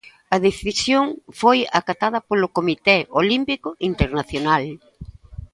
A decisión foi acatada polo Comité Olímpico Internacional.